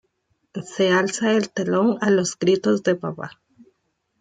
Se alza el telón a los gritos de "Papa!